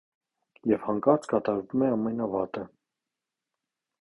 Եվ հանկարծ կատարվում է ամենավատը։